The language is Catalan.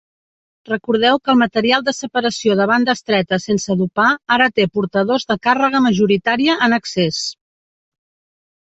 Recordeu que el material de separació de banda estreta sense dopar ara té portadors de càrrega majoritària en excés.